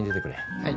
はい。